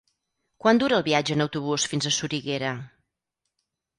Quant dura el viatge en autobús fins a Soriguera?